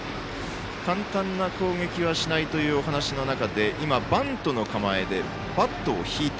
簡単な攻撃はしないというお話の中でバントの構えでバットを引いた。